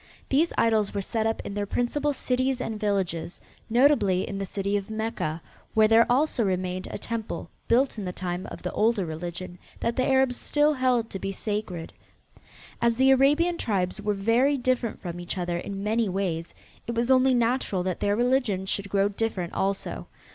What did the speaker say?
These idols were set up in their principal cities and villages, notably in the city of Mecca, where there also remained a temple, built in the time of the older religion, that the Arabs still held to be sacred. As the Arabian tribes were very different from each other in many ways, it was only natural that their religion should grow different also.